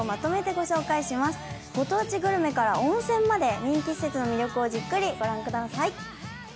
ご当地グルメから温泉まで人気施設の魅力をじっくり御覧ください。